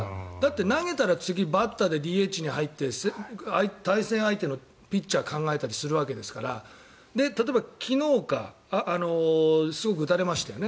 投げたらバッターでＤＨに入って対戦相手のピッチャーを考えたりするわけですから例えば、昨日すごく打たれましたよね。